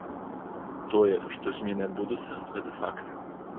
Тое, што змены адбудуцца, гэта факт.